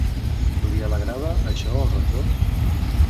Li alegrava això al Rector?